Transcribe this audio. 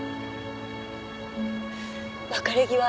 別れ際